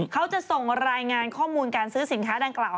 เขาจะส่งรายงานข้อมูลการซื้อสินค้าดังกล่าว